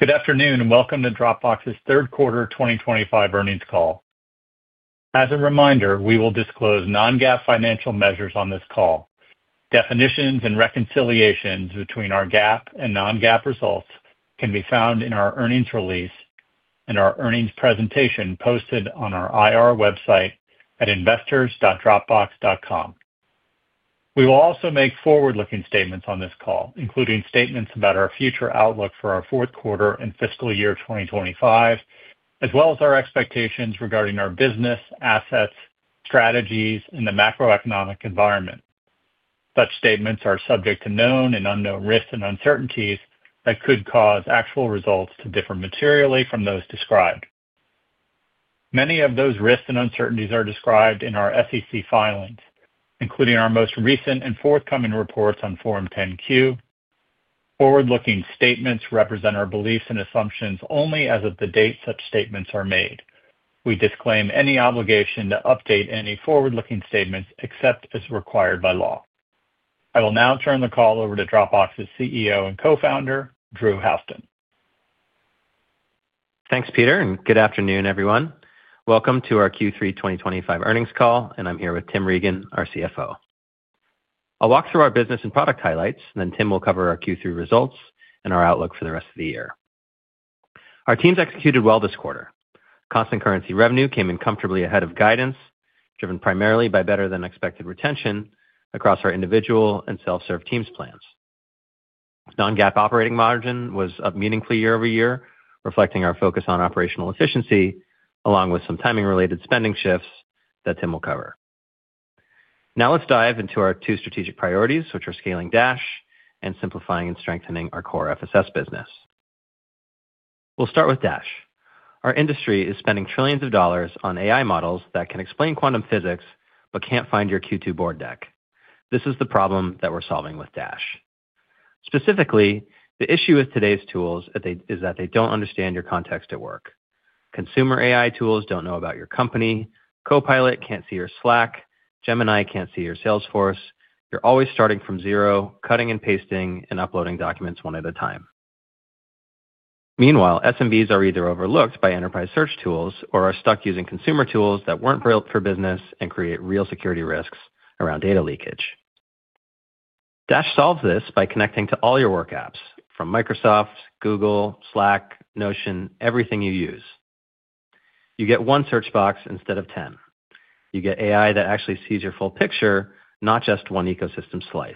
Good afternoon, and welcome to Dropbox's third quarter 2025 earnings call. As a reminder, we will disclose non-GAAP financial measures on this call. Definitions and reconciliations between our GAAP and non-GAAP results can be found in our earnings release and our earnings presentation posted on our IR website at investors.dropbox.com. We will also make forward-looking statements on this call, including statements about our future outlook for our fourth quarter and fiscal year 2025, as well as our expectations regarding our business, assets, strategies, and the macroeconomic environment. Such statements are subject to known and unknown risks and uncertainties that could cause actual results to differ materially from those described. Many of those risks and uncertainties are described in our SEC filings, including our most recent and forthcoming reports on Form 10-Q. Forward-looking statements represent our beliefs and assumptions only as of the date such statements are made. We disclaim any obligation to update any forward-looking statements except as required by law. I will now turn the call over to Dropbox's CEO and co-founder, Drew Houston. Thanks, Peter, and good afternoon, everyone. Welcome to our Q3 2025 earnings call, and I'm here with Tim Regan, our CFO. I'll walk through our business and product highlights, and then Tim will cover our Q3 results and our outlook for the rest of the year. Our teams executed well this quarter. Constant currency revenue came in comfortably ahead of guidance, driven primarily by better-than-expected retention across our individual and self-serve teams plans. Non-GAAP operating margin was up meaningfully year-over-year, reflecting our focus on operational efficiency, along with some timing-related spending shifts that Tim will cover. Now let's dive into our two strategic priorities, which are scaling Dash and simplifying and strengthening our core FSS business. We'll start with Dash. Our industry is spending trillions of dollars on AI models that can explain quantum physics but can't find your Q2 board deck. This is the problem that we're solving with Dash. Specifically, the issue with today's tools is that they don't understand your context at work. Consumer AI tools don't know about your company. Copilot can't see your Slack. Gemini can't see your Salesforce. You're always starting from zero, cutting and pasting, and uploading documents one at a time. Meanwhile, SMBs are either overlooked by enterprise search tools or are stuck using consumer tools that weren't built for business and create real security risks around data leakage. Dash solves this by connecting to all your work apps, from Microsoft, Google, Slack, Notion, everything you use. You get one search box instead of ten. You get AI that actually sees your full picture, not just one ecosystem slice.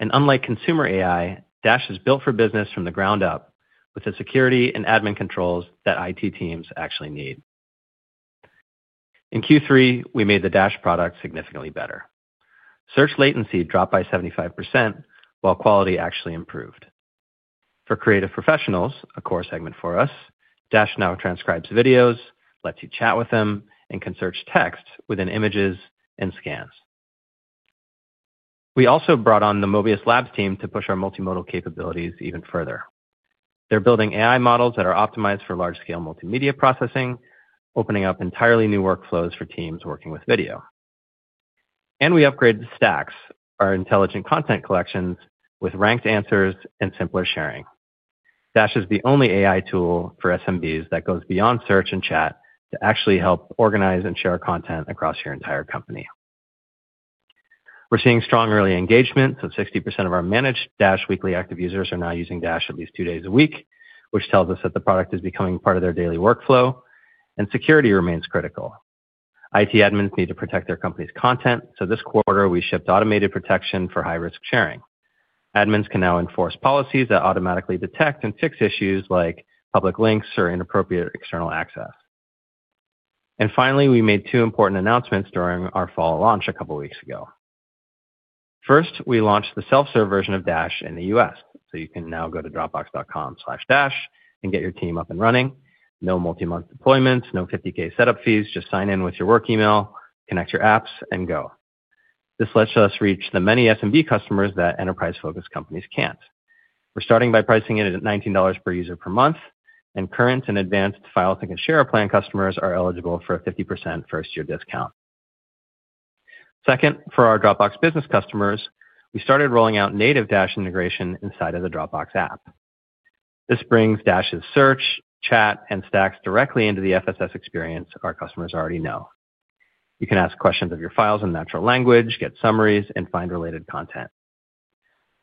Unlike consumer AI, Dash is built for business from the ground up with the security and admin controls that IT teams actually need. In Q3, we made the Dash product significantly better. Search latency dropped by 75%, while quality actually improved. For creative professionals, a core segment for us, Dash now transcribes videos, lets you chat with them, and can search text within images and scans. We also brought on the Mobius Labs team to push our multimodal capabilities even further. They are building AI models that are optimized for large-scale multimedia processing, opening up entirely new workflows for teams working with video. We upgraded stacks, our intelligent content collections, with ranked answers and simpler sharing. Dash is the only AI tool for SMBs that goes beyond search and chat to actually help organize and share content across your entire company. We're seeing strong early engagement, so 60% of our managed Dash weekly active users are now using Dash at least two days a week, which tells us that the product is becoming part of their daily workflow, and security remains critical. IT admins need to protect their company's content, so this quarter, we shipped automated protection for high-risk sharing. Admins can now enforce policies that automatically detect and fix issues like public links or inappropriate external access. Finally, we made two important announcements during our fall launch a couple of weeks ago. First, we launched the self-serve version of Dash in the U.S., so you can now go to dropbox.com/dash and get your team up and running. No multi-month deployments, no $50,000 setup fees, just sign in with your work email, connect your apps, and go. This lets us reach the many SMB customers that enterprise-focused companies can't. We're starting by pricing it at $19 per user per month, and current and advanced file think and share plan customers are eligible for a 50% first-year discount. Second, for our Dropbox business customers, we started rolling out native Dash integration inside of the Dropbox app. This brings Dash's search, chat, and stacks directly into the FSS experience our customers already know. You can ask questions of your files in natural language, get summaries, and find related content.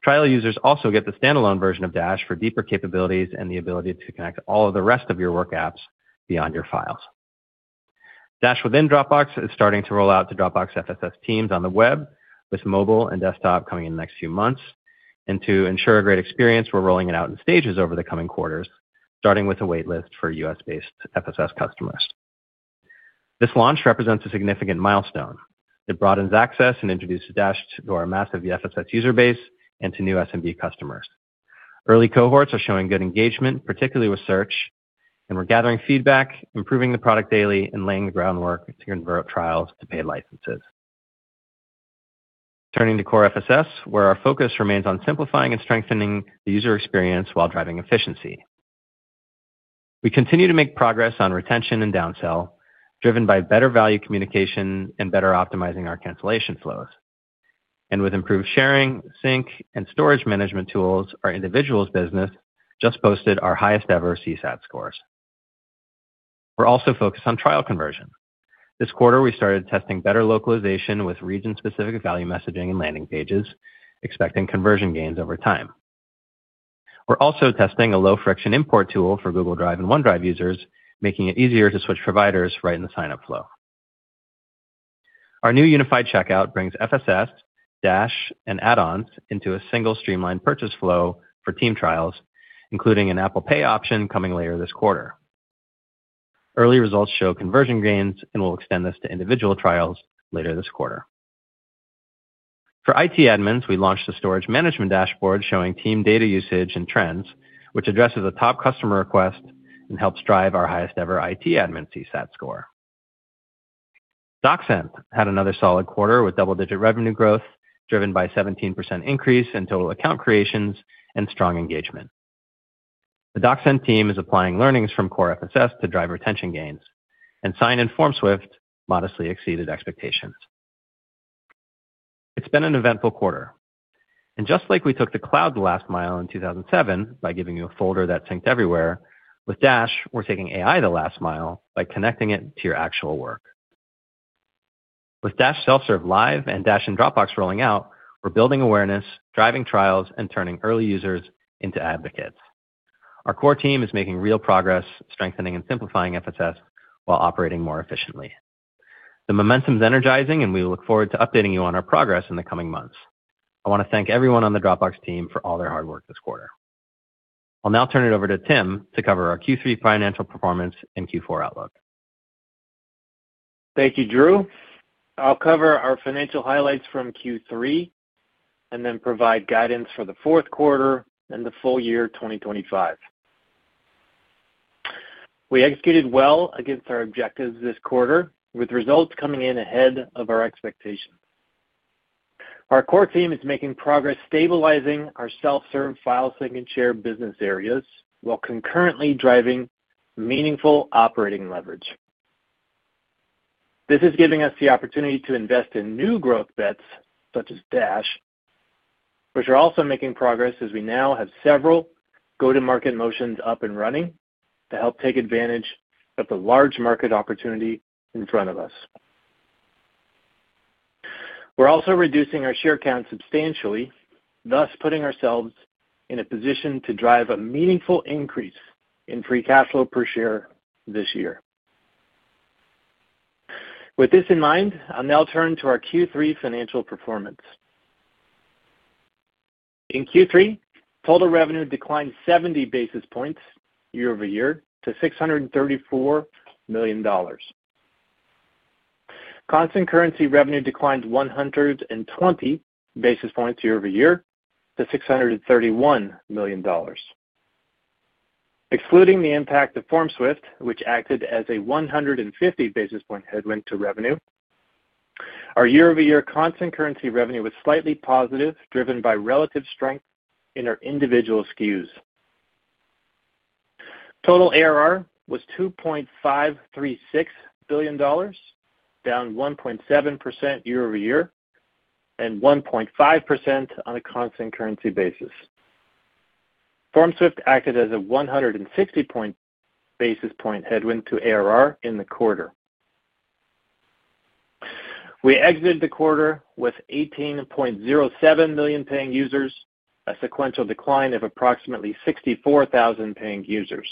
Trial users also get the standalone version of Dash for deeper capabilities and the ability to connect all of the rest of your work apps beyond your files. Dash within Dropbox is starting to roll out to Dropbox FSS teams on the web, with mobile and desktop coming in the next few months. To ensure a great experience, we're rolling it out in stages over the coming quarters, starting with a waitlist for U.S.-based FSS customers. This launch represents a significant milestone. It broadens access and introduces Dash to our massive FSS user base and to new SMB customers. Early cohorts are showing good engagement, particularly with search, and we're gathering feedback, improving the product daily, and laying the groundwork to convert trials to paid licenses. Turning to core FSS, where our focus remains on simplifying and strengthening the user experience while driving efficiency. We continue to make progress on retention and downsell, driven by better value communication and better optimizing our cancellation flows. With improved sharing, sync, and storage management tools, our individuals' business just posted our highest-ever CSAT scores. We're also focused on trial conversion. This quarter, we started testing better localization with region-specific value messaging and landing pages, expecting conversion gains over time. We're also testing a low-friction import tool for Google Drive and OneDrive users, making it easier to switch providers right in the sign-up flow. Our new unified checkout brings FSS, Dash, and add-ons into a single streamlined purchase flow for team trials, including an Apple Pay option coming later this quarter. Early results show conversion gains and will extend this to individual trials later this quarter. For IT admins, we launched a storage management dashboard showing team data usage and trends, which addresses a top customer request and helps drive our highest-ever IT admin CSAT score. DocSend had another solid quarter with double-digit revenue growth, driven by a 17% increase in total account creations and strong engagement. The DocSend team is applying learnings from core FSS to drive retention gains and signed-in forms with modestly exceeded expectations. It's been an eventful quarter. Just like we took the cloud the last mile in 2007 by giving you a folder that synced everywhere, with Dash, we're taking AI the last mile by connecting it to your actual work. With Dash self-serve live and Dash in Dropbox rolling out, we're building awareness, driving trials, and turning early users into advocates. Our core team is making real progress, strengthening and simplifying FSS while operating more efficiently. The momentum's energizing, and we look forward to updating you on our progress in the coming months. I want to thank everyone on the Dropbox team for all their hard work this quarter. I'll now turn it over to Tim to cover our Q3 financial performance and Q4 outlook. Thank you, Drew. I'll cover our financial highlights from Q3 and then provide guidance for the fourth quarter and the full year 2025. We executed well against our objectives this quarter, with results coming in ahead of our expectations. Our core team is making progress, stabilizing our self-serve file sync and share business areas while concurrently driving meaningful operating leverage. This is giving us the opportunity to invest in new growth bets such as Dash, which are also making progress as we now have several go-to-market motions up and running to help take advantage of the large market opportunity in front of us. We're also reducing our share count substantially, thus putting ourselves in a position to drive a meaningful increase in free cash flow per share this year. With this in mind, I'll now turn to our Q3 financial performance. In Q3, total revenue declined 70 basis points year-over-year to $634 million. Constant currency revenue declined 120 basis points year-over-year to $631 million. Excluding the impact of FormSwift, which acted as a 150 basis point headwind to revenue, our year-over-year constant currency revenue was slightly positive, driven by relative strength in our individual SKUs. Total ARR was $2.536 billion, down 1.7% year-over-year and 1.5% on a constant currency basis. FormSwift acted as a 160 basis point headwind to ARR in the quarter. We exited the quarter with 18.07 million paying users, a sequential decline of approximately 64,000 paying users.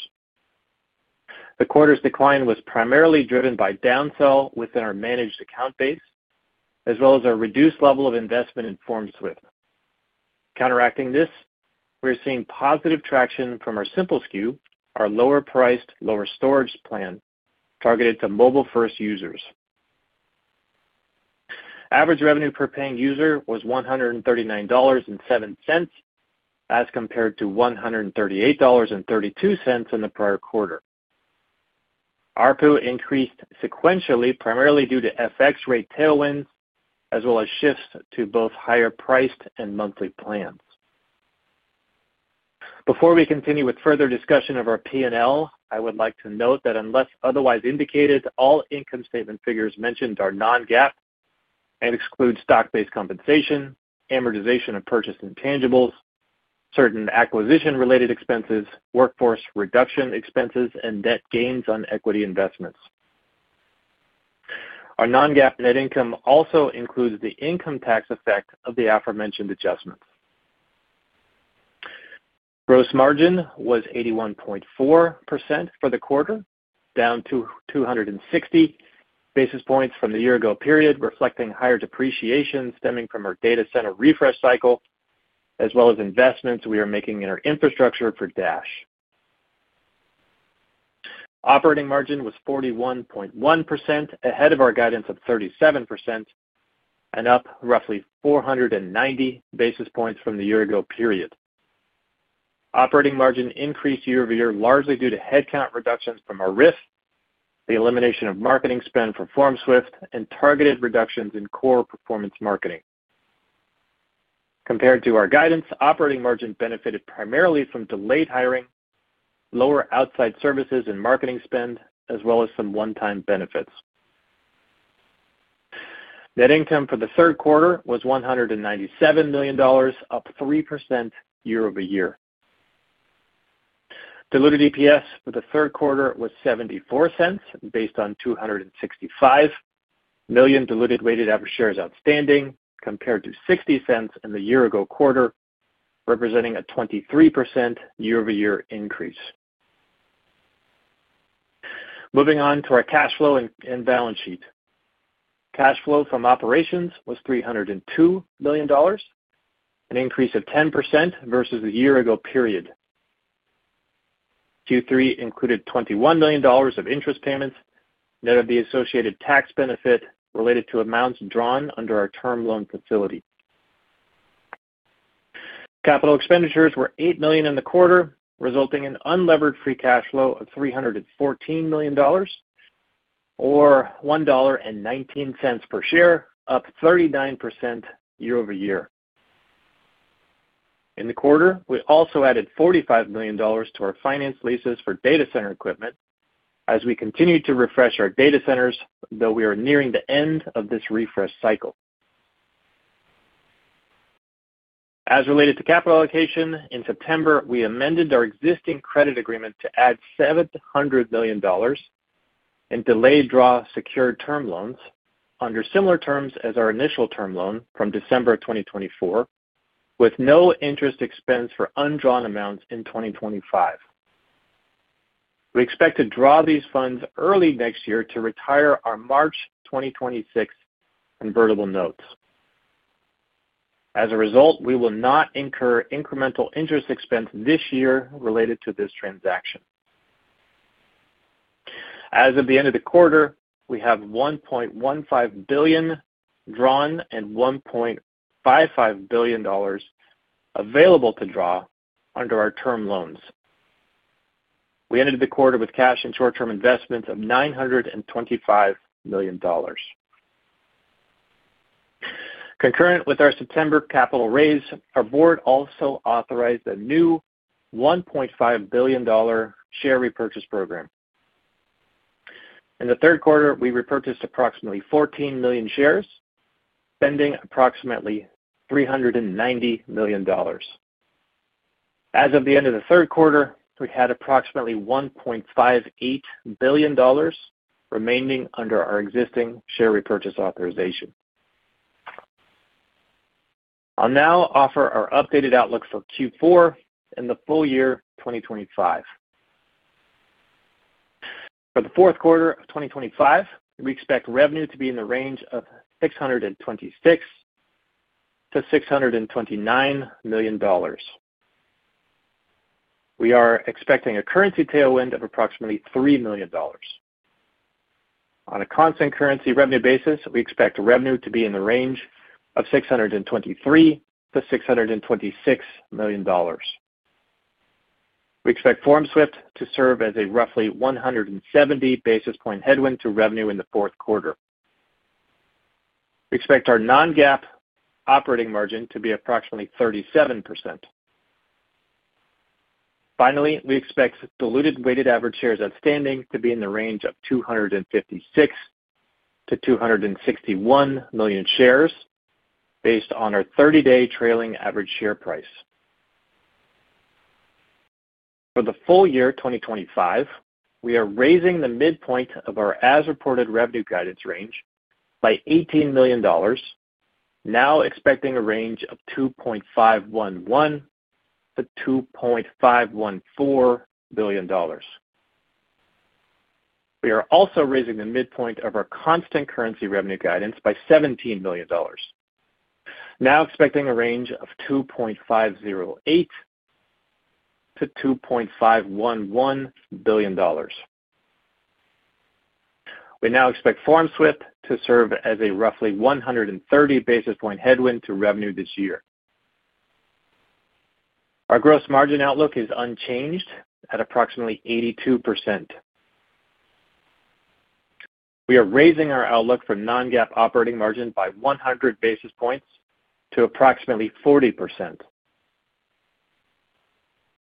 The quarter's decline was primarily driven by downsell within our managed account base, as well as our reduced level of investment in FormSwift. Counteracting this, we're seeing positive traction from our Simple SKU, our lower-priced, lower storage plan targeted to mobile-first users. Average revenue per paying user was $139.07, as compared to $138.32 in the prior quarter. ARPU increased sequentially, primarily due to FX rate tailwinds, as well as shifts to both higher-priced and monthly plans. Before we continue with further discussion of our P&L, I would like to note that unless otherwise indicated, all income statement figures mentioned are non-GAAP and exclude stock-based compensation, amortization of purchased intangibles, certain acquisition-related expenses, workforce reduction expenses, and net gains on equity investments. Our non-GAAP net income also includes the income tax effect of the aforementioned adjustments. Gross margin was 81.4% for the quarter, down 260 basis points from the year-ago period, reflecting higher depreciation stemming from our data center refresh cycle, as well as investments we are making in our infrastructure for Dash. Operating margin was 41.1%, ahead of our guidance of 37%, and up roughly 490 basis points from the year-ago period. Operating margin increased year-over-year largely due to headcount reductions from our RIF, the elimination of marketing spend for FormSwift, and targeted reductions in core performance marketing. Compared to our guidance, operating margin benefited primarily from delayed hiring, lower outside services and marketing spend, as well as some one-time benefits. Net income for the third quarter was $197 million, up 3% year-over-year. Diluted EPS for the third quarter was $0.74, based on 265 million diluted weighted average shares outstanding, compared to $0.60 in the year-ago quarter, representing a 23% year-over-year increase. Moving on to our cash flow and balance sheet. Cash flow from operations was $302 million, an increase of 10% versus the year-ago period. Q3 included $21 million of interest payments, net of the associated tax benefit related to amounts drawn under our term loan facility. Capital expenditures were $8 million in the quarter, resulting in unlevered free cash flow of $314 million, or $1.19 per share, up 39% year-over-year. In the quarter, we also added $45 million to our finance leases for data center equipment as we continue to refresh our data centers, though we are nearing the end of this refresh cycle. As related to capital allocation, in September, we amended our existing credit agreement to add $700 million and delayed draw secured term loans under similar terms as our initial term loan from December 2024, with no interest expense for undrawn amounts in 2025. We expect to draw these funds early next year to retire our March 2026 convertible notes. As a result, we will not incur incremental interest expense this year related to this transaction. As of the end of the quarter, we have $1.15 billion drawn and $1.55 billion available to draw under our term loans. We ended the quarter with cash and short-term investments of $925 million. Concurrent with our September capital raise, our board also authorized a new $1.5 billion share repurchase program. In the third quarter, we repurchased approximately 14 million shares, spending approximately $390 million. As of the end of the third quarter, we had approximately $1.58 billion remaining under our existing share repurchase authorization. I'll now offer our updated outlook for Q4 and the full year 2025. For the fourth quarter of 2025, we expect revenue to be in the range of $626 million-$629 million. We are expecting a currency tailwind of approximately $3 million. On a constant currency revenue basis, we expect revenue to be in the range of $623 million-$626 million. We expect FormSwift to serve as a roughly 170 basis point headwind to revenue in the fourth quarter. We expect our non-GAAP operating margin to be approximately 37%. Finally, we expect diluted weighted average shares outstanding to be in the range of 256-261 million shares, based on our 30-day trailing average share price. For the full year 2025, we are raising the midpoint of our as-reported revenue guidance range by $18 million, now expecting a range of $2.511-$2.514 billion. We are also raising the midpoint of our constant currency revenue guidance by $17 million, now expecting a range of $2.508-$2.511 billion. We now expect FormSwift to serve as a roughly 130 basis point headwind to revenue this year. Our gross margin outlook is unchanged at approximately 82%. We are raising our outlook for non-GAAP operating margin by 100 basis points to approximately 40%.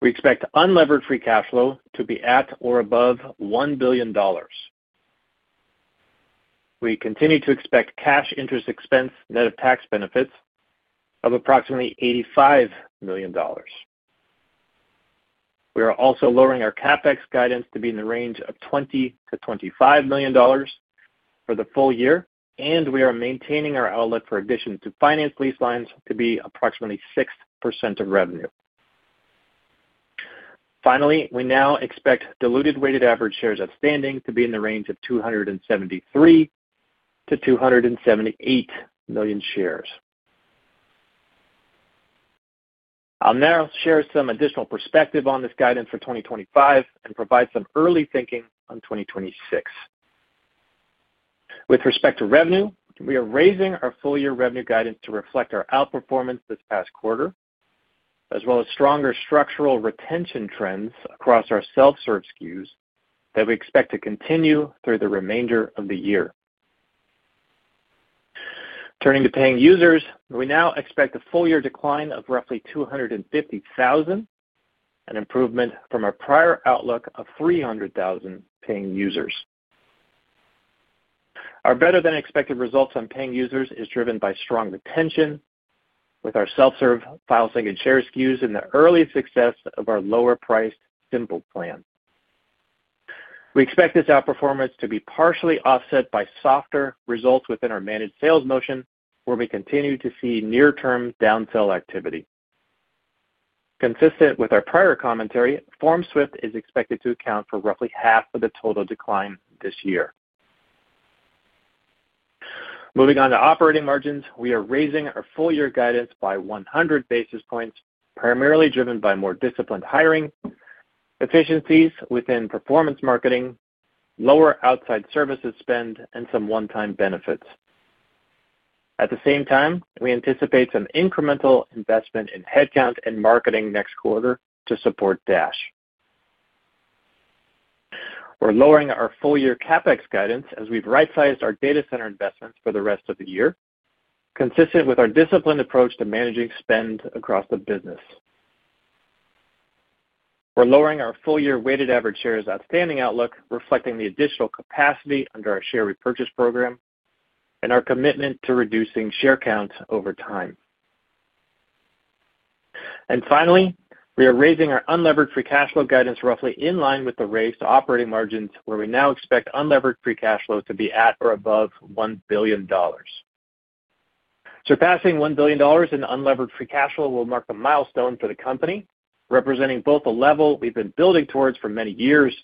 We expect unlevered free cash flow to be at or above $1 billion. We continue to expect cash interest expense net of tax benefits of approximately $85 million. We are also lowering our CapEx guidance to be in the range of $20 million-$25 million for the full year, and we are maintaining our outlook for additions to finance lease lines to be approximately 6% of revenue. Finally, we now expect diluted weighted average shares outstanding to be in the range of 273-278 million shares. I'll now share some additional perspective on this guidance for 2025 and provide some early thinking on 2026. With respect to revenue, we are raising our full-year revenue guidance to reflect our outperformance this past quarter, as well as stronger structural retention trends across our self-serve SKUs that we expect to continue through the remainder of the year. Turning to paying users, we now expect a full-year decline of roughly 250,000, an improvement from our prior outlook of 300,000 paying users. Our better-than-expected results on paying users is driven by strong retention, with our self-serve file sync and share SKUs and the early success of our lower-priced Simple plan. We expect this outperformance to be partially offset by softer results within our managed sales motion, where we continue to see near-term downsell activity. Consistent with our prior commentary, FormSwift is expected to account for roughly half of the total decline this year. Moving on to operating margins, we are raising our full-year guidance by 100 basis points, primarily driven by more disciplined hiring, efficiencies within performance marketing, lower outside services spend, and some one-time benefits. At the same time, we anticipate some incremental investment in headcount and marketing next quarter to support Dash. We're lowering our full-year CapEx guidance as we've right-sized our data center investments for the rest of the year, consistent with our disciplined approach to managing spend across the business. We're lowering our full-year weighted average shares outstanding outlook, reflecting the additional capacity under our share repurchase program and our commitment to reducing share counts over time. Finally, we are raising our unlevered free cash flow guidance roughly in line with the raised operating margins, where we now expect unlevered free cash flow to be at or above $1 billion. Surpassing $1 billion in unlevered free cash flow will mark a milestone for the company, representing both a level we've been building towards for many years,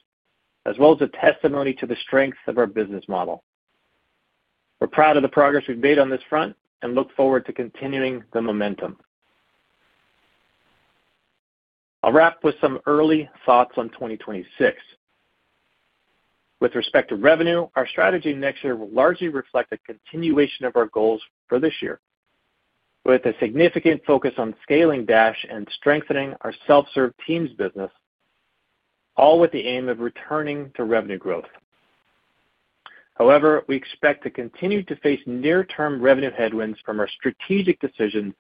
as well as a testimony to the strength of our business model. We're proud of the progress we've made on this front and look forward to continuing the momentum. I'll wrap with some early thoughts on 2026. With respect to revenue, our strategy next year will largely reflect a continuation of our goals for this year, with a significant focus on scaling Dash and strengthening our self-serve teams business, all with the aim of returning to revenue growth. However, we expect to continue to face near-term revenue headwinds from our strategic decision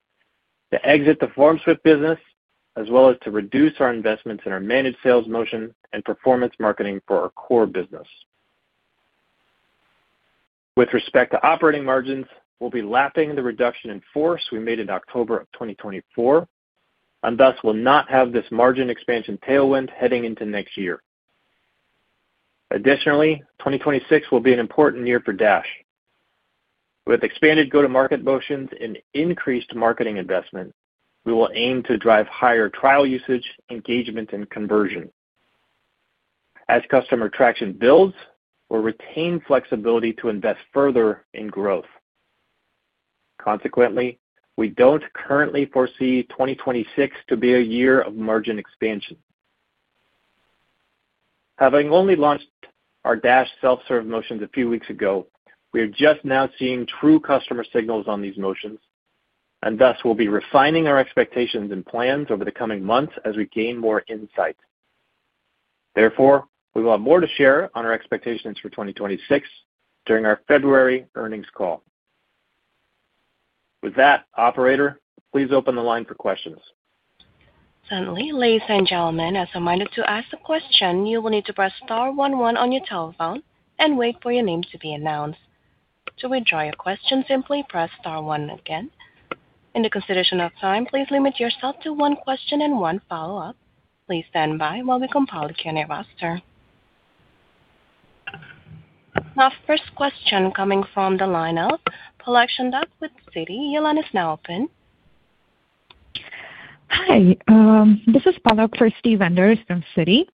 to exit the FormSwift business, as well as to reduce our investments in our managed sales motion and performance marketing for our core business. With respect to operating margins, we'll be lapping the reduction in force we made in October of 2024, and thus will not have this margin expansion tailwind heading into next year. Additionally, 2026 will be an important year for Dash. With expanded go-to-market motions and increased marketing investment, we will aim to drive higher trial usage, engagement, and conversion. As customer traction builds, we'll retain flexibility to invest further in growth. Consequently, we don't currently foresee 2026 to be a year of margin expansion. Having only launched our Dash self-serve motions a few weeks ago, we are just now seeing true customer signals on these motions, and thus we'll be refining our expectations and plans over the coming months as we gain more insight. Therefore, we will have more to share on our expectations for 2026 during our February earnings call. With that, operator, please open the line for questions. Certainly, ladies and gentlemen, as a reminder to ask the question, you will need to press star one one on your telephone and wait for your name to be announced. To withdraw your question, simply press star one again. In the consideration of time, please limit yourself to one question and one follow-up. Please stand by while we compile the Q&A roster. Our first question coming from the line of Palak Chandak with Citi, your line is now open. Hi, this is Palak for Steve Venders from Citi.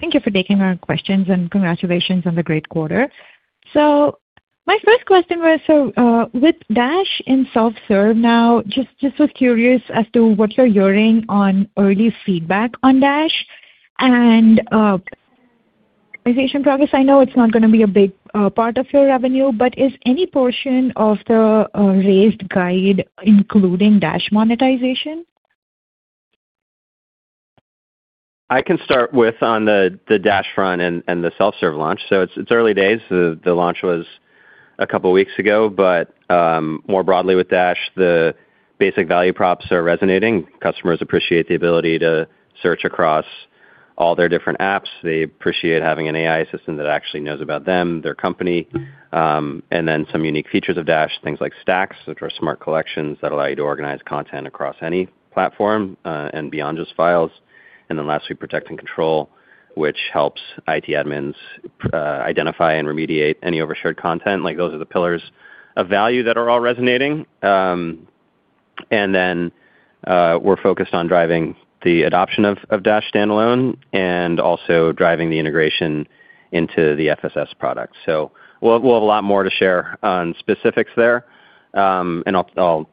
Thank you for taking our questions and congratulations on the great quarter. My first question was, with Dash in self-serve now, just was curious as to what you're hearing on early feedback on Dash and monetization progress. I know it's not going to be a big part of your revenue, but is any portion of the raised guide including Dash monetization? I can start with on the Dash front and the self-serve launch. It is early days. The launch was a couple of weeks ago, but more broadly with Dash, the basic value props are resonating. Customers appreciate the ability to search across all their different apps. They appreciate having an AI assistant that actually knows about them, their company, and then some unique features of Dash, things like stacks, which are smart collections that allow you to organize content across any platform and beyond just files. Lastly, protect and control, which helps IT admins identify and remediate any overshared content. Those are the pillars of value that are all resonating. We are focused on driving the adoption of Dash standalone and also driving the integration into the FSS product. We'll have a lot more to share on specifics there, and I'll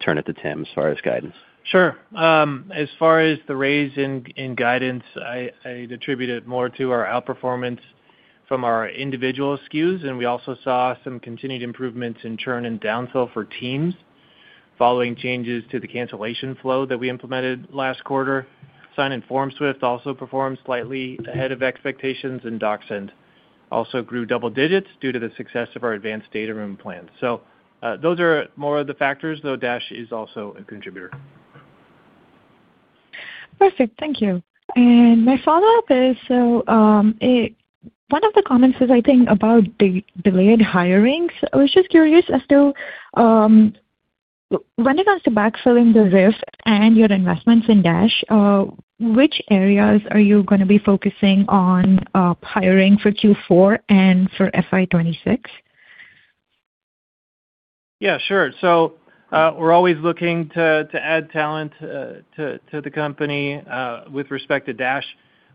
turn it to Tim as far as guidance. Sure. As far as the raise in guidance, I'd attribute it more to our outperformance from our individual SKUs, and we also saw some continued improvements in churn and downsell for teams following changes to the cancellation flow that we implemented last quarter. Sign and FormSwift also performed slightly ahead of expectations, and DocSend also grew double digits due to the success of our advanced data room plan. Those are more of the factors, though Dash is also a contributor. Perfect. Thank you. My follow-up is, one of the comments is, I think, about delayed hirings. I was just curious as to when it comes to backfilling the RIF and your investments in Dash, which areas are you going to be focusing on hiring for Q4 and for FI26? Yeah, sure. We're always looking to add talent to the company. With respect to Dash,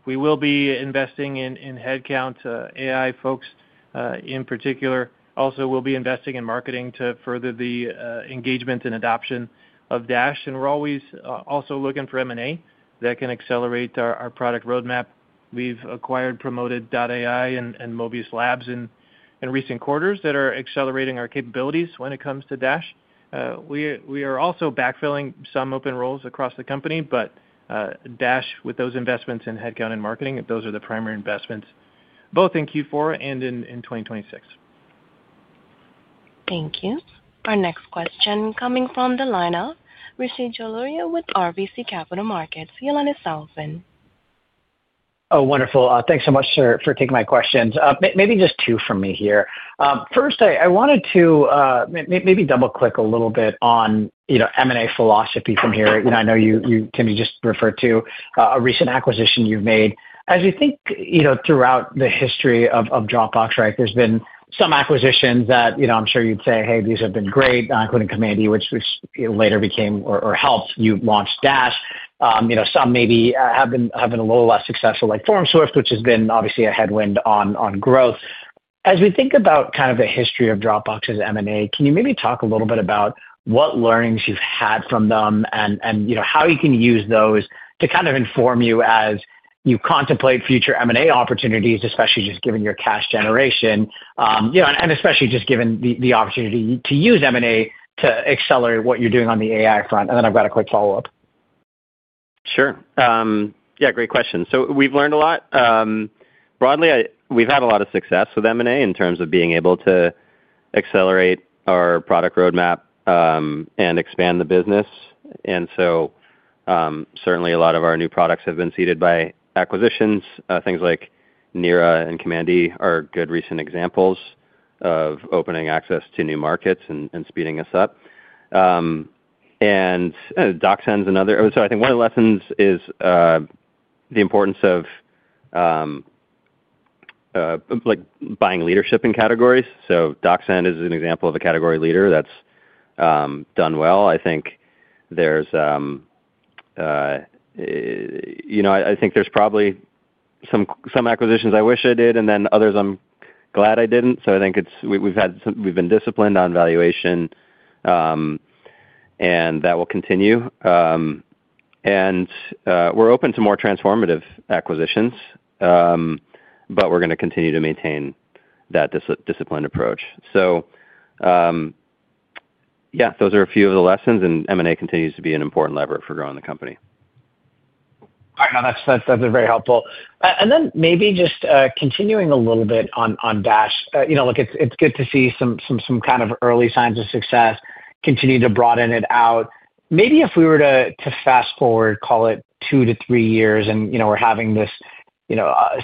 we will be investing in headcount, AI folks in particular. Also, we'll be investing in marketing to further the engagement and adoption of Dash. We're always also looking for M&A that can accelerate our product roadmap. We've acquired Promoted.ai and Mobius Labs in recent quarters that are accelerating our capabilities when it comes to Dash. We are also backfilling some open roles across the company, but Dash, with those investments in headcount and marketing, those are the primary investments, both in Q4 and in 2026. Thank you. Our next question coming from the line of Rishi Jaluria with RBC Capital Markets, your line is now open. Oh, wonderful. Thanks so much for taking my questions. Maybe just two from me here. First, I wanted to maybe double-click a little bit on M&A philosophy from here. I know you, Tim, you just referred to a recent acquisition you've made. As you think throughout the history of Dropbox, there's been some acquisitions that I'm sure you'd say, "Hey, these have been great," including Command E, which later became or helped you've launch Dash. Some maybe have been a little less successful, like FormSwift, which has been obviously a headwind on growth. As we think about kind of the history of Dropbox's M&A, can you maybe talk a little bit about what learnings you've had from them and how you can use those to kind of inform you as you contemplate future M&A opportunities, especially just given your cash generation, and especially just given the opportunity to use M&A to accelerate what you're doing on the AI front? I have a quick follow-up. Sure. Yeah, great question. So we've learned a lot. Broadly, we've had a lot of success with M&A in terms of being able to accelerate our product roadmap and expand the business. Certainly, a lot of our new products have been seeded by acquisitions. Things like Nira and Command E are good recent examples of opening access to new markets and speeding us up. DocSend's another—oh, sorry, I think one of the lessons is the importance of buying leadership in categories. DocSend is an example of a category leader that's done well. I think there's probably some acquisitions I wish I did, and then others I'm glad I didn't. I think we've been disciplined on valuation, and that will continue. We're open to more transformative acquisitions, but we're going to continue to maintain that disciplined approach. Yeah, those are a few of the lessons, and M&A continues to be an important lever for growing the company. All right. No, that's been very helpful. Maybe just continuing a little bit on Dash, it's good to see some kind of early signs of success, continue to broaden it out. Maybe if we were to fast forward, call it two to three years, and we're having this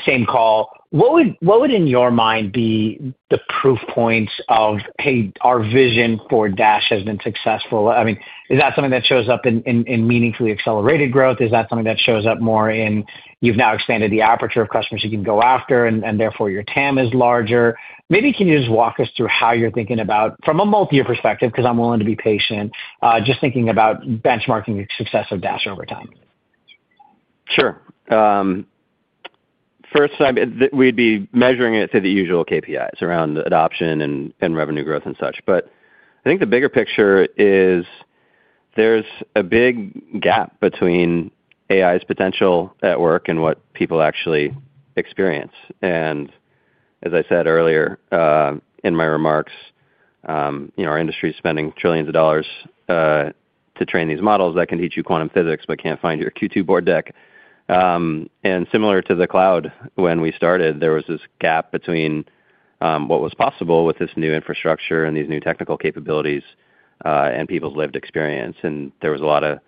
same call, what would, in your mind, be the proof points of, "Hey, our vision for Dash has been successful"? I mean, is that something that shows up in meaningfully accelerated growth? Is that something that shows up more in you've now expanded the aperture of customers you can go after, and therefore your TAM is larger? Maybe can you just walk us through how you're thinking about, from a multi-year perspective, because I'm willing to be patient, just thinking about benchmarking the success of Dash over time? Sure. First, we'd be measuring it to the usual KPIs around adoption and revenue growth and such. I think the bigger picture is there's a big gap between AI's potential at work and what people actually experience. As I said earlier in my remarks, our industry is spending trillions of dollars to train these models that can teach you quantum physics but can't find your Q2 board deck. Similar to the cloud, when we started, there was this gap between what was possible with this new infrastructure and these new technical capabilities and people's lived experience. There was a lot of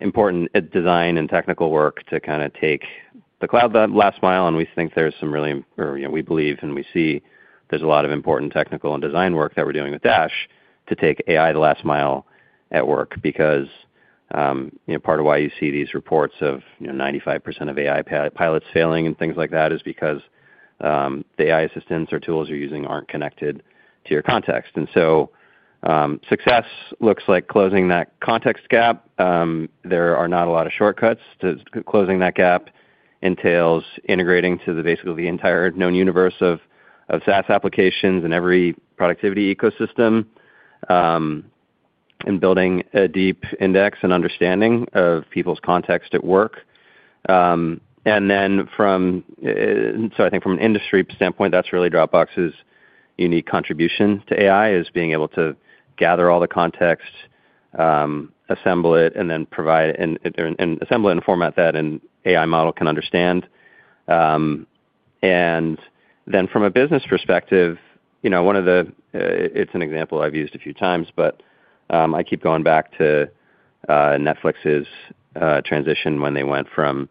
important design and technical work to kind of take the cloud the last mile. We believe and we see there's a lot of important technical and design work that we're doing with Dash to take AI the last mile at work. Because part of why you see these reports of 95% of AI pilots failing and things like that is because the AI assistants or tools you're using aren't connected to your context. Success looks like closing that context gap. There are not a lot of shortcuts to closing that gap. It entails integrating to basically the entire known universe of SaaS applications and every productivity ecosystem and building a deep index and understanding of people's context at work. I think from an industry standpoint, that's really Dropbox's unique contribution to AI, being able to gather all the context, assemble it, and then provide—and assemble it in a format that an AI model can understand. From a business perspective, one of the—it's an example I've used a few times, but I keep going back to Netflix's transition when they went from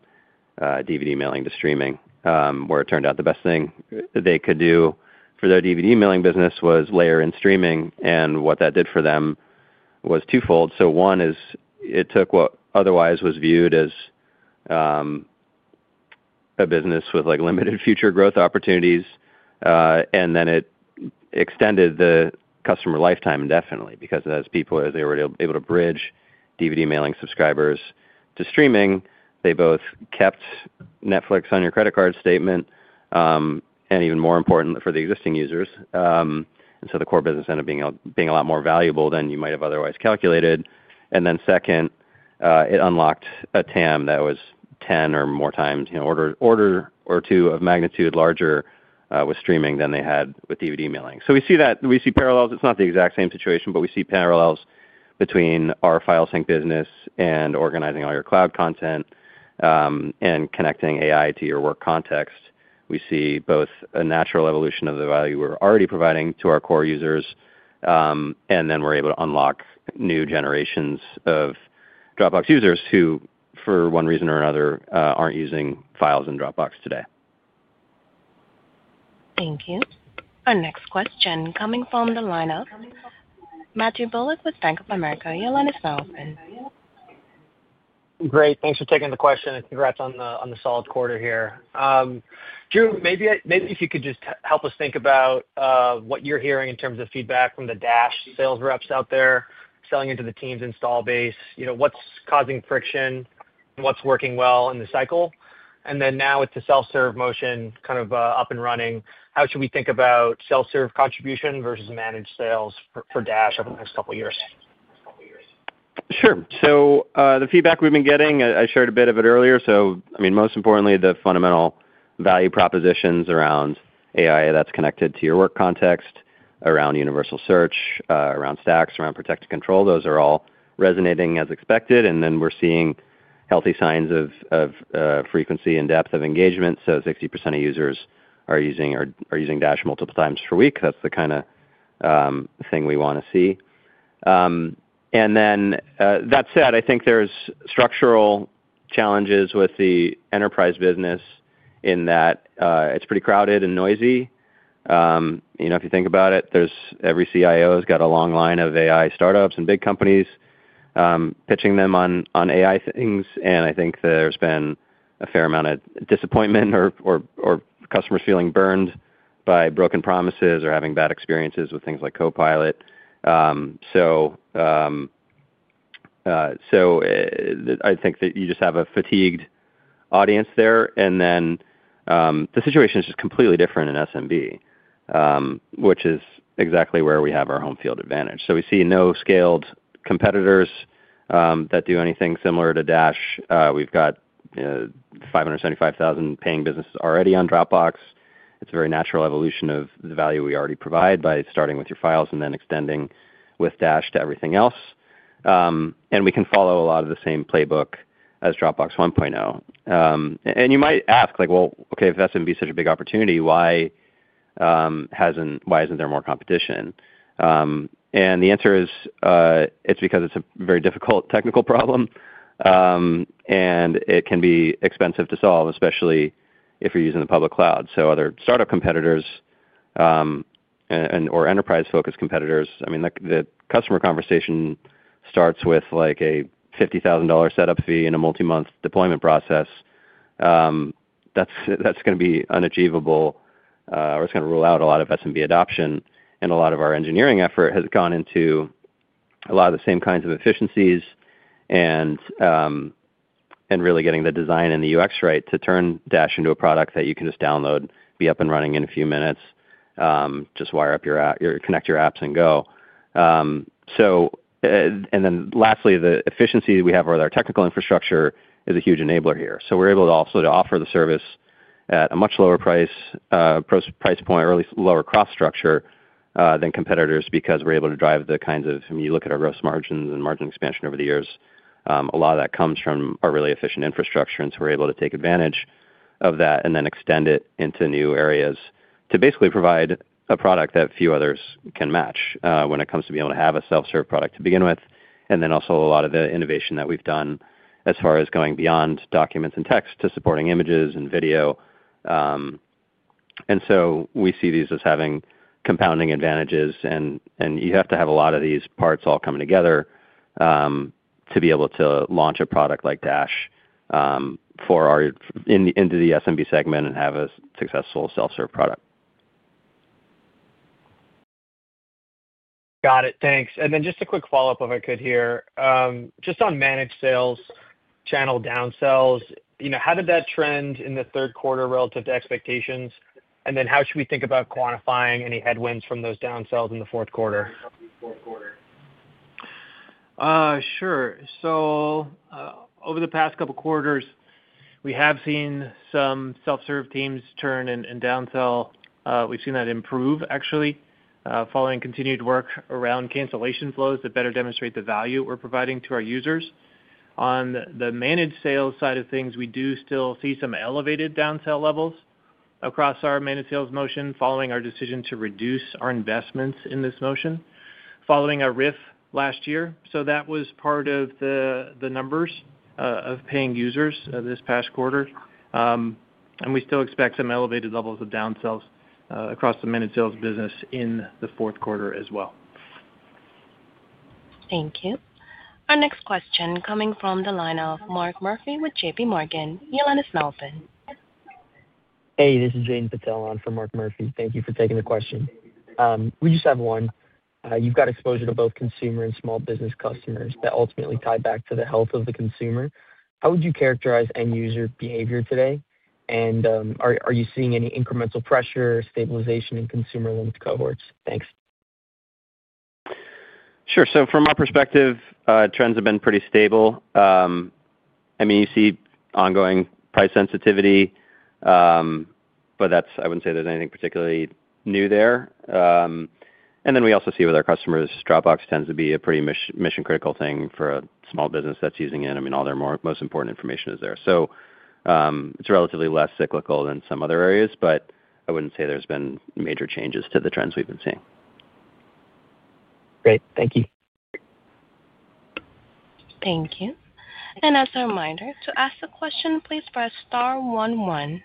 DVD mailing to streaming, where it turned out the best thing they could do for their DVD mailing business was layer in streaming. What that did for them was twofold. One is it took what otherwise was viewed as a business with limited future growth opportunities, and it extended the customer lifetime indefinitely because as people, as they were able to bridge DVD mailing subscribers to streaming, they both kept Netflix on your credit card statement and, even more important for the existing users. The core business ended up being a lot more valuable than you might have otherwise calculated. Second, it unlocked a TAM that was 10 or more times—an order or two of magnitude larger with streaming than they had with DVD mailing. We see that. We see parallels. It is not the exact same situation, but we see parallels between our file sync business and organizing all your cloud content and connecting AI to your work context. We see both a natural evolution of the value we're already providing to our core users, and then we're able to unlock new generations of Dropbox users who, for one reason or another, aren't using files in Dropbox today. Thank you. Our next question coming from the line of Matthew Bullock with Bank of America, your line is now open. Great. Thanks for taking the question and congrats on the solid quarter here. Drew, maybe if you could just help us think about what you're hearing in terms of feedback from the Dash sales reps out there selling into the Teams install base, what's causing friction, what's working well in the cycle. And then now with the self-serve motion kind of up and running, how should we think about self-serve contribution versus managed sales for Dash over the next couple of years? Sure. The feedback we've been getting, I shared a bit of it earlier. I mean, most importantly, the fundamental value propositions around AI that's connected to your work context, around universal search, around stacks, around protected control, those are all resonating as expected. We are seeing healthy signs of frequency and depth of engagement. 60% of users are using Dash multiple times per week. That's the kind of thing we want to see. That said, I think there are structural challenges with the enterprise business in that it's pretty crowded and noisy. If you think about it, every CIO has got a long line of AI startups and big companies pitching them on AI things. I think there's been a fair amount of disappointment or customers feeling burned by broken promises or having bad experiences with things like Copilot. I think that you just have a fatigued audience there. The situation is just completely different in SMB, which is exactly where we have our home field advantage. We see no scaled competitors that do anything similar to Dash. We've got 575,000 paying businesses already on Dropbox. It's a very natural evolution of the value we already provide by starting with your files and then extending with Dash to everything else. We can follow a lot of the same playbook as Dropbox 1.0. You might ask, "Okay, if SMB is such a big opportunity, why hasn't there been more competition?" The answer is it's because it's a very difficult technical problem, and it can be expensive to solve, especially if you're using the public cloud. Other startup competitors or enterprise-focused competitors, I mean, the customer conversation starts with a $50,000 setup fee and a multi-month deployment process. That's going to be unachievable, or it's going to rule out a lot of SMB adoption. A lot of our engineering effort has gone into a lot of the same kinds of efficiencies and really getting the design and the UX right to turn Dash into a product that you can just download, be up and running in a few minutes, just wire up your app, connect your apps, and go. Lastly, the efficiency we have with our technical infrastructure is a huge enabler here. We're able to also offer the service at a much lower price point, or at least lower cost structure than competitors because we're able to drive the kinds of—I mean, you look at our gross margins and margin expansion over the years, a lot of that comes from our really efficient infrastructure. We're able to take advantage of that and then extend it into new areas to basically provide a product that few others can match when it comes to being able to have a self-serve product to begin with. Also, a lot of the innovation that we've done as far as going beyond documents and text to supporting images and video. We see these as having compounding advantages. You have to have a lot of these parts all coming together to be able to launch a product like Dash into the SMB segment and have a successful self-serve product. Got it. Thanks. Just a quick follow-up, if I could here. Just on managed sales, channel downsells, how did that trend in the third quarter relative to expectations? How should we think about quantifying any headwinds from those downsells in the fourth quarter? Sure. Over the past couple of quarters, we have seen some self-serve teams turn and downsell. We've seen that improve, actually, following continued work around cancellation flows that better demonstrate the value we're providing to our users. On the managed sales side of things, we do still see some elevated downsell levels across our managed sales motion following our decision to reduce our investments in this motion following a RIF last year. That was part of the numbers of paying users this past quarter. We still expect some elevated levels of downsells across the managed sales business in the fourth quarter as well. Thank you. Our next question coming from the line of Mark Murphy with JPMorgan, your line is now open. Hey, this is Jaiden Patel on for Mark Murphy. Thank you for taking the question. We just have one. You've got exposure to both consumer and small business customers that ultimately tie back to the health of the consumer. How would you characterize end-user behavior today? Are you seeing any incremental pressure, stabilization in consumer-linked cohorts? Thanks. Sure. From my perspective, trends have been pretty stable. I mean, you see ongoing price sensitivity, but I would not say there is anything particularly new there. We also see with our customers, Dropbox tends to be a pretty mission-critical thing for a small business that is using it. I mean, all their most important information is there. It is relatively less cyclical than some other areas, but I would not say there have been major changes to the trends we have been seeing. Great. Thank you. Thank you. As a reminder, to ask the question, please press star one one.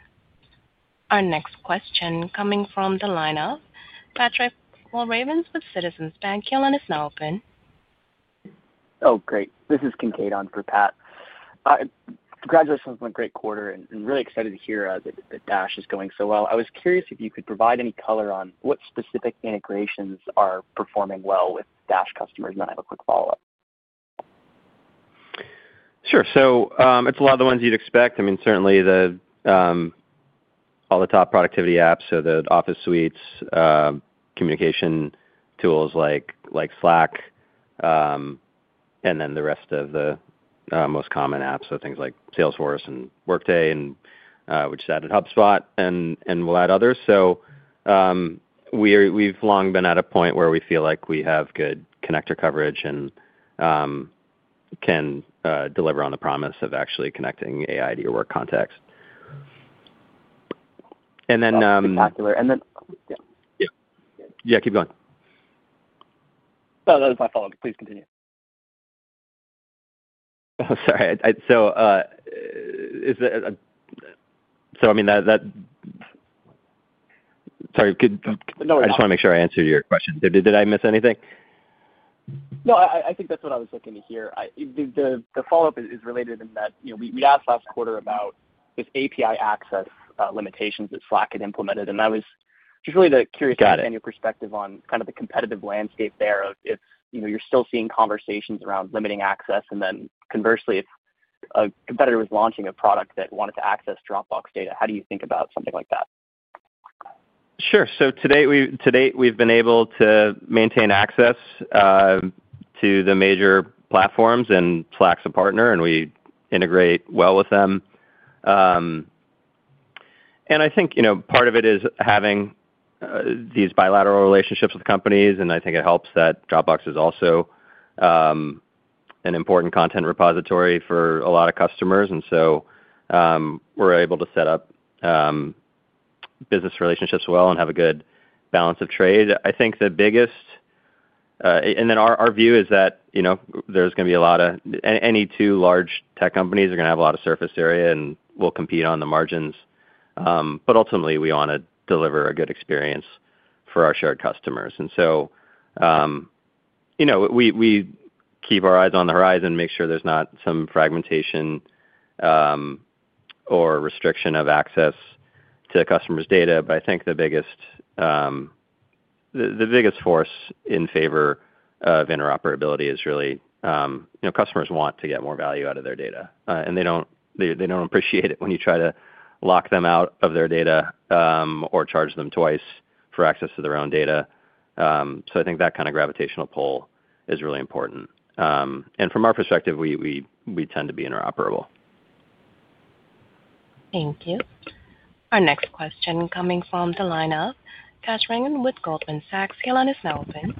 Our next question coming from the line of Patrick Walravens with Citizens Bank. your line is now open. Oh, great. This is Kincaid on for Pat. Congratulations on a great quarter, and really excited to hear that Dash is going so well. I was curious if you could provide any color on what specific integrations are performing well with Dash customers, and I have a quick follow-up. Sure. It's a lot of the ones you'd expect. I mean, certainly all the top productivity apps, the Office Suites, communication tools like Slack, and then the rest of the most common apps, things like Salesforce and Workday, which is added HubSpot, and we'll add others. We've long been at a point where we feel like we have good connector coverage and can deliver on the promise of actually connecting AI to your work context. Then. That's spectacular. And then. Yeah. Yeah. Keep going. No, that was my follow-up. Please continue. Oh, sorry. I mean, that. Sorry. I just want to make sure I answered your question. Did I miss anything? No, I think that's what I was looking to hear. The follow-up is related in that we asked last quarter about this API access limitations that Slack had implemented. I was just really curious about your perspective on kind of the competitive landscape there of if you're still seeing conversations around limiting access. Conversely, if a competitor was launching a product that wanted to access Dropbox data, how do you think about something like that? Sure. Today we've been able to maintain access to the major platforms, and Slack's a partner, and we integrate well with them. I think part of it is having these bilateral relationships with companies, and I think it helps that Dropbox is also an important content repository for a lot of customers. We are able to set up business relationships well and have a good balance of trade. I think the biggest—and then our view is that there's going to be a lot of—any two large tech companies are going to have a lot of surface area and will compete on the margins. Ultimately, we want to deliver a good experience for our shared customers. We keep our eyes on the horizon, make sure there's not some fragmentation or restriction of access to customers' data. I think the biggest force in favor of interoperability is really customers want to get more value out of their data. They do not appreciate it when you try to lock them out of their data or charge them twice for access to their own data. I think that kind of gravitational pull is really important. From our perspective, we tend to be interoperable. Thank you. Our next question coming from the line of Kash Rangan with Goldman Sachs. your line is now open.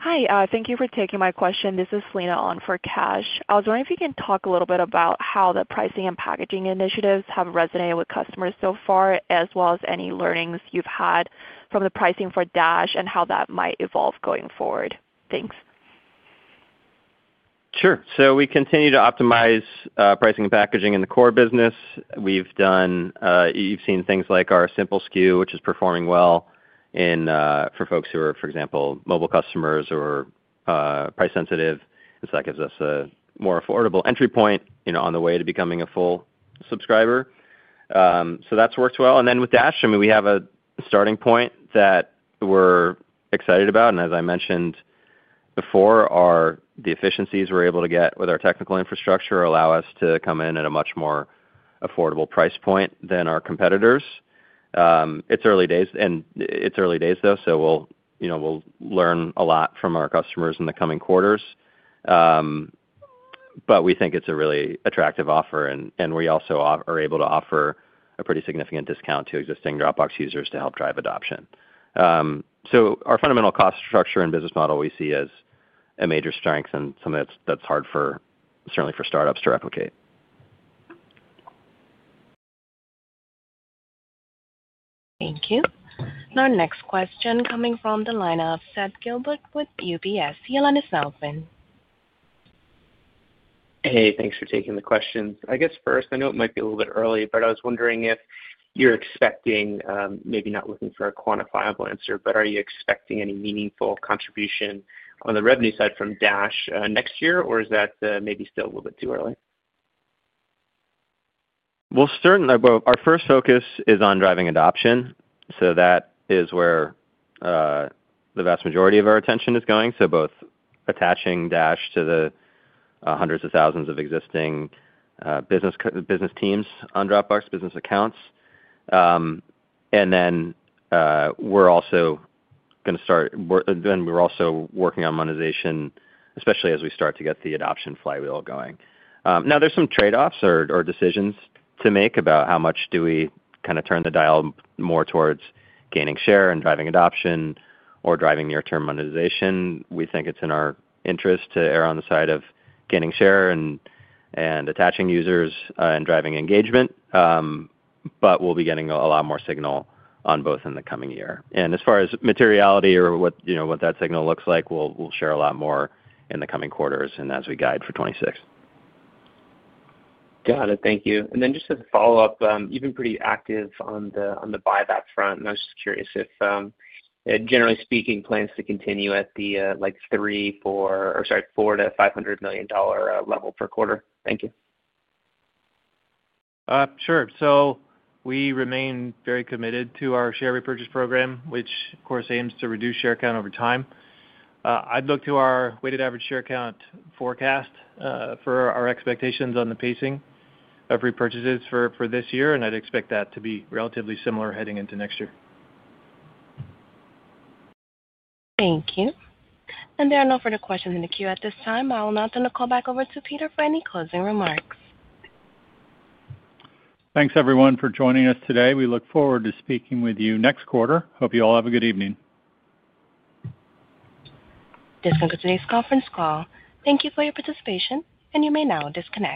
Hi. Thank you for taking my question. This is Selena on for Kash. I was wondering if you can talk a little bit about how the pricing and packaging initiatives have resonated with customers so far, as well as any learnings you've had from the pricing for Dash and how that might evolve going forward. Thanks. Sure. We continue to optimize pricing and packaging in the core business. You've seen things like our Simple SKU, which is performing well for folks who are, for example, mobile customers or price-sensitive. That gives us a more affordable entry point on the way to becoming a full subscriber. That's worked well. With Dash, I mean, we have a starting point that we're excited about. As I mentioned before, the efficiencies we're able to get with our technical infrastructure allow us to come in at a much more affordable price point than our competitors. It's early days, though, so we'll learn a lot from our customers in the coming quarters. We think it's a really attractive offer, and we also are able to offer a pretty significant discount to existing Dropbox brand memberships to help drive adoption. Our fundamental cost structure and business model we see as a major strength, and something that's hard for certainly for startups to replicate. Thank you. Our next question coming from the line of Seth Gilbert with UBS. Your line is now open. Hey. Thanks for taking the questions. I guess first, I know it might be a little bit early, but I was wondering if you're expecting—maybe not looking for a quantifiable answer—but are you expecting any meaningful contribution on the revenue side from Dash next year, or is that maybe still a little bit too early? Our first focus is on driving adoption. That is where the vast majority of our attention is going. Both attaching Dash to the hundreds of thousands of existing business teams on Dropbox business accounts. We are also going to start—we are also working on monetization, especially as we start to get the adoption flywheel going. There are some trade-offs or decisions to make about how much we kind of turn the dial more towards gaining share and driving adoption or driving near-term monetization. We think it is in our interest to err on the side of gaining share and attaching users and driving engagement. We will be getting a lot more signal on both in the coming year. As far as materiality or what that signal looks like, we will share a lot more in the coming quarters and as we guide for 2026. Got it. Thank you. Just as a follow-up, you've been pretty active on the buyback front. I was just curious if, generally speaking, plans are to continue at the $400 million-$500 million level per quarter. Thank you. Sure. We remain very committed to our share repurchase program, which, of course, aims to reduce share count over time. I'd look to our weighted average share count forecast for our expectations on the pacing of repurchases for this year, and I'd expect that to be relatively similar heading into next year. Thank you. There are no further questions in the queue at this time. I'll now turn the call back over to Peter for any closing remarks. Thanks, everyone, for joining us today. We look forward to speaking with you next quarter. Hope you all have a good evening. This concludes today's conference call. Thank you for your participation, and you may now disconnect.